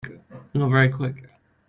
Not very Quick